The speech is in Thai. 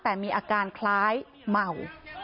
แต่มีอาการคล้ายเมา